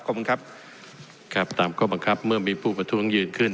บังคับครับครับตามข้อบังคับเมื่อมีผู้ประท้วงยืนขึ้น